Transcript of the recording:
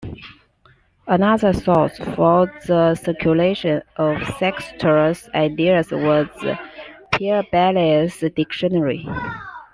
Another source for the circulation of Sextus's ideas was Pierre Bayle's "Dictionary".